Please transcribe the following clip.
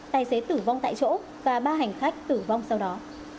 tài xế tử vong tại chỗ và ba hành khách tử vong sau đó